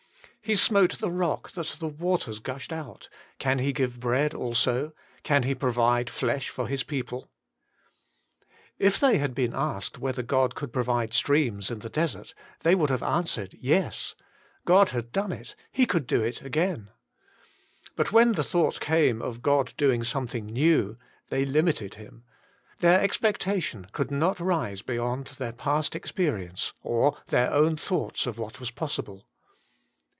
He smote the rock that the water gushed out ; can He give bread also t can He provide flesh for His people %* K they had been asked whether God could pro vide streams in the desert, they would have answered, Yes. God had done it : He could do it again. But when the thought came of God doing something new, they limited Him ; their expectation could not rise beyond their past experience, or their own thoughts of what was possible.